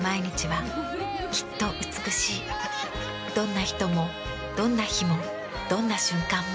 どんな人もどんな日もどんな瞬間も。